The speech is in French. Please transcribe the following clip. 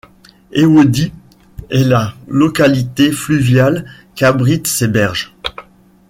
Ewodi est la localité fluviale qu'abritent ses berges.